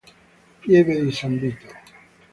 Pieve di San Vito